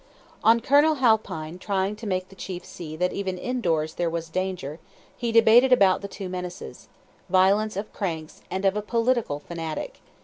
On Colonel Halpine trying to make the chief see that even indoors there was danger, he debated about the two menaces violence of "cranks" and of a political fanatic.